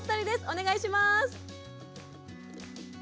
お願いします。